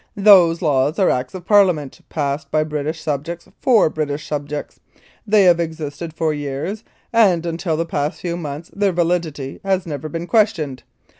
... Those laws are Acts of Parliament, passed by British subjects for British subjects; they have existed for years, and until the past few months their validity has never been questioned.